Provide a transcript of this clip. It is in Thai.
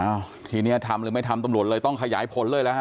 อ้าวทีนี้ทำหรือไม่ทำตำรวจเลยต้องขยายผลเลยแล้วฮ